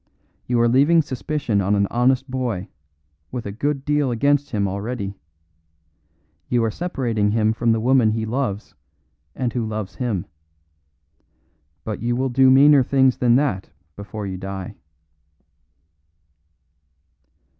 You are leaving suspicion on an honest boy with a good deal against him already; you are separating him from the woman he loves and who loves him. But you will do meaner things than that before you die."